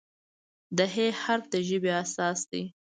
د "ه" حرف د ژبې اساس دی.